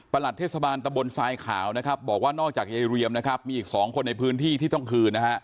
ประหลัดเทศบาลตะบนทรายข่าวบอกว่านอกจากยายเรียมมีอีก๒คนในพื้นที่ที่ต้องคืน